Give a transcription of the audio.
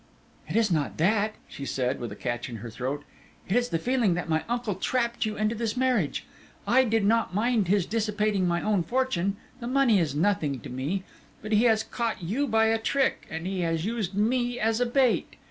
"It is not that," she said, with a catch in her throat; "it is the feeling that my uncle trapped you into this marriage. I did not mind his dissipating my own fortune; the money is nothing to me. But he has caught you by a trick, and he has used me as a bait."